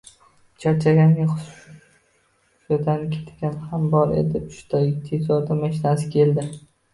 Charchaganidan hushidan ketganlar ham bor edi, uchta tez yordam mashinasi keldi